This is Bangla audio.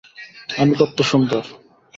আমি কত্ত সুন্দর!